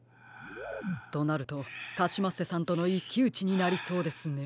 となるとカシマッセさんとのいっきうちになりそうですね。